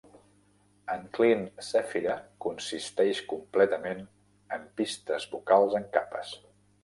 "Unclean Sephira" consisteix completament en pistes vocals en capes.